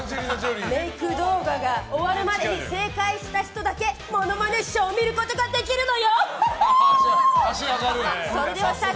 メイク動画が終わるまでに正解した人だけモノマネショーを見ることができるのよ！